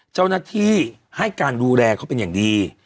เจ้าหน้าที่ให้การดูแลเขาเป็นอย่างดี